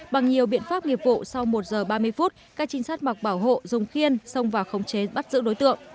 bằng nhiều biện pháp nghiệp vụ sau một giờ ba mươi phút các trinh sát mặc bảo hộ dùng khiên xông vào khống chế bắt giữ đối tượng